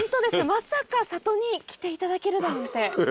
まさか里に来ていただけるだなんて。